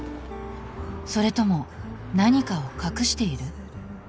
それとも何かを隠している？